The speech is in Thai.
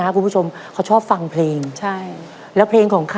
แล้ววันนี้ผมมีสิ่งหนึ่งนะครับเป็นตัวแทนกำลังใจจากผมเล็กน้อยครับ